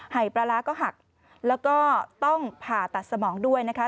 ปลาร้าก็หักแล้วก็ต้องผ่าตัดสมองด้วยนะคะ